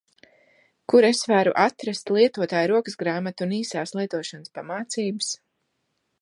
Kur es varu atrast lietotāja rokasgrāmatu un īsās lietošanas pamācības?